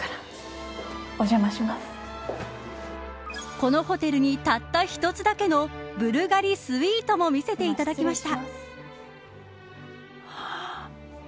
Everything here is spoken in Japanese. このホテルにたった１つだけのブルガリスイートも見せていただきました。